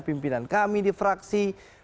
pimpinan kami di fraksi